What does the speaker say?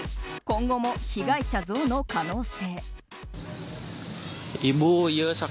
今後も被害者増の可能性。